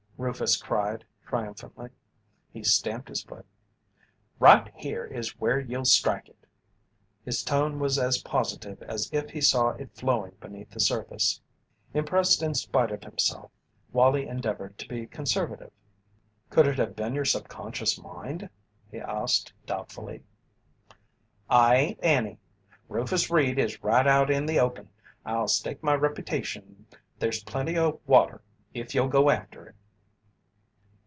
Rufus cried, triumphantly. He stamped his foot: "Right here is where you'll strike it." His tone was as positive as if he saw it flowing beneath the surface. Impressed in spite of himself, Wallie endeavoured to be conservative. "Could it have been your subconscious mind?" he asked, doubtfully. "I ain't any. Rufus Reed is right out in the open. I'll stake my reputation there's plenty of water if you'll go after it."